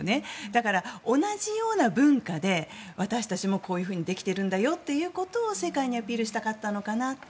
だから、同じような文化で私たちもこういうふうにできているんだよということを世界にアピールしたかったのかなと。